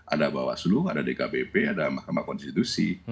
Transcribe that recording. ada bawaslu ada dkbp ada mahkamah konstitusi